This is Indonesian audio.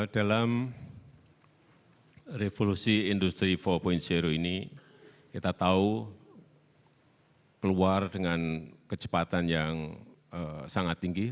dalam revolusi industri empat ini kita tahu keluar dengan kecepatan yang sangat tinggi